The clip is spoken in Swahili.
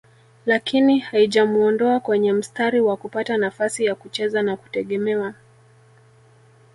lakini haijamuondoa kwenye mstari wa kupata nafasi ya kucheza na kutegemewa